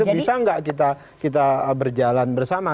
bisa nggak kita berjalan bersama